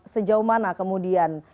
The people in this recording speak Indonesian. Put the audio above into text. sejauh mana kemudian